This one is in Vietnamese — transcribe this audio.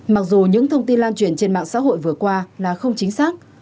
mặc dù những thông tin lan truyền trên mạng xã hội vừa qua là không chính xác